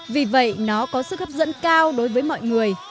vì vậy nó có sức hấp dẫn cao đối với mọi người